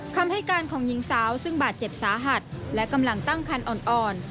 คำให้การของหญิงสาวซึ่งบาดเจ็บสาหัสและกำลังตั้งคันอ่อน